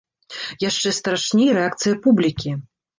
Яшчэ страшней рэакцыя публікі.